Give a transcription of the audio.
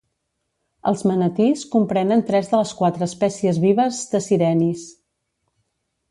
Els manatís comprenen tres de les quatre espècies vives de sirenis.